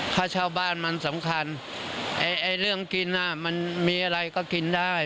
ค่าเช่าบ้านมันสำคัญไอ้เรื่องกินน่ะมันมีอะไรก็กินได้